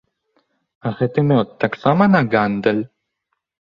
А гэты мёд таксама на гандаль?